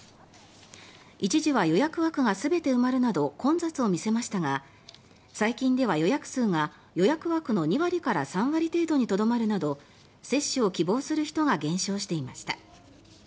一時は予約枠が全て埋まるなど混雑を見せましたが最近では予約数が予約枠の２割から３割程度にとどまるなど接種を希望する人が減少していました。